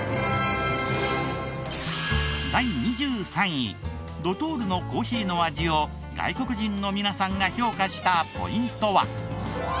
第２３位ドトールのコーヒーの味を外国人の皆さんが評価したポイントは？